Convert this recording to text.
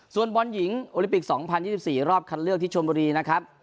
ส่วนบอลหญิงโอลิปิกสองพันยี่สิบสี่รอบคันเลือกที่ชมบุรีนะครับ